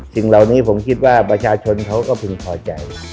สิ่งเหล่านี้ผมคิดว่าประชาชนเขาก็พึงพอใจ